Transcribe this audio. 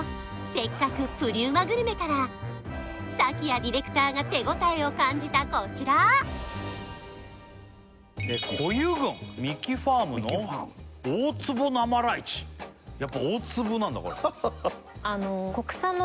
せっかくプリうまグルメから谷ディレクターが手応えを感じたこちら児湯郡ミキファームの大粒生ライチやっぱ大粒なんだ